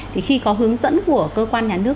thì khi có hướng dẫn của cơ quan nhà nước